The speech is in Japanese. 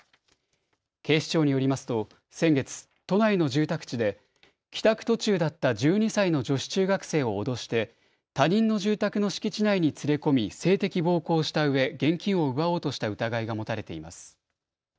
警視庁によりますと先月、都内の住宅地で帰宅途中だった１２歳の女子中学生を脅して他人の住宅の敷地内に連れ込み性的暴行をしたうえ現金を奪おうとした疑いが持たれています。